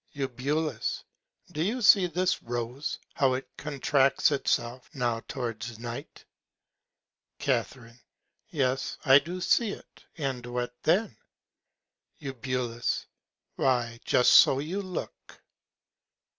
Eu. Do you see this Rose, how it contracts itself, now towards Night? Ca. Yes, I do see it: And what then? Eu. Why, just so you look.